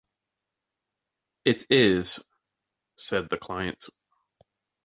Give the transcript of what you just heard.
“It is,” said the client.